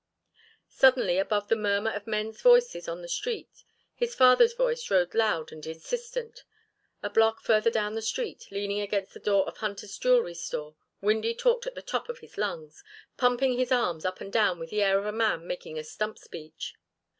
Suddenly, above the murmur of men's voices on the street, his father's voice rose loud and insistent. A block further down the street, leaning against the door of Hunter's jewelry store, Windy talked at the top of his lungs, pumping his arms up and down with the air of a man making a stump speech.